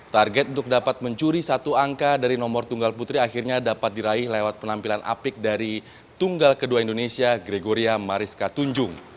target untuk dapat mencuri satu angka dari nomor tunggal putri akhirnya dapat diraih lewat penampilan apik dari tunggal kedua indonesia gregoria mariska tunjung